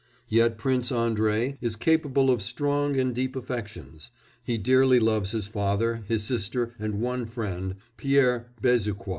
Yet Prince Andrei is capable of strong and deep affections; he dearly loves his father, his sister, and one friend Pierre Bezukhoi.